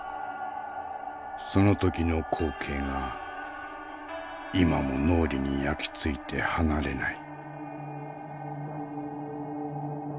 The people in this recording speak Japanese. その時の光景が今も脳裏に焼き付いて離れない。